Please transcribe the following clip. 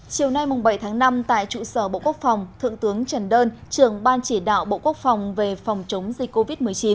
chiều nay bảy tháng năm tại trụ sở bộ quốc phòng thượng tướng trần đơn trưởng ban chỉ đạo bộ quốc phòng về phòng chống dịch covid một mươi chín